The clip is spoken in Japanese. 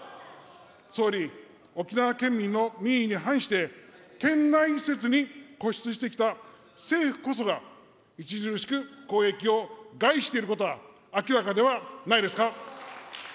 総理、沖縄県民の民意に反して、県内移設に固執してきた政府こそが、著しく公益を害していることは明らかではないですか。